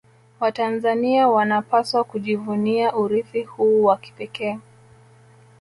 watanzania wanapaswa kujivunia urithi huu wa kipekee